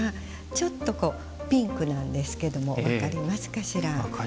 ちょっと、ピンクなんですけど分かりますかしら。